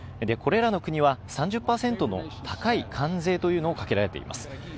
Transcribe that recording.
これらの国は３０％の高い関税というのをかけられています。